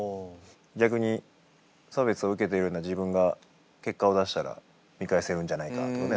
逆に差別を受けているような自分が結果を出したら見返せるんじゃないかとかね